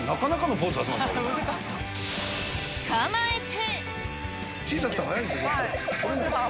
捕まえて。